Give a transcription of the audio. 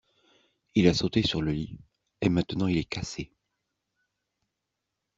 Il a sauté sur le lit et maintenant il est cassé.